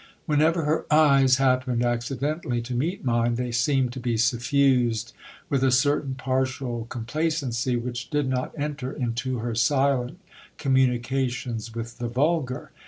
Whenever her eyes happened accidentally to meet mine, they seemed to be suffused with a certain partial complacency, which did not enter into her silent communications with the vulgar.